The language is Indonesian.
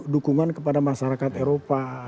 dukungan kepada masyarakat eropa